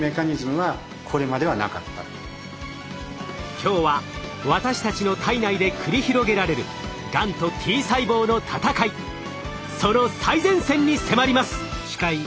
今日は私たちの体内で繰り広げられるがんとＴ細胞の闘いその最前線に迫ります。